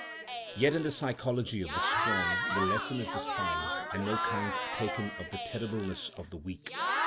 Yet in the psychology of the strong the lesson is despised and no count taken of the terribleness of the weak.